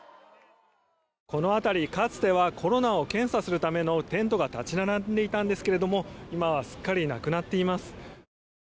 この辺りかつてはコロナを検査するためのテントが立ち並んでいたんですが今はすっかりなくなっています。